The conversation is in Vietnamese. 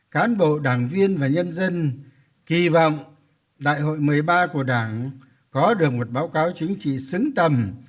cán bộ đảng viên và nhân dân kỳ vọng đại hội một mươi ba của đảng có được một báo cáo chính trị xứng tầm